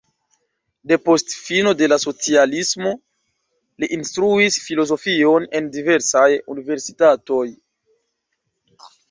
Depost fino de la socialismo li instruis filozofion en diversaj universitatoj.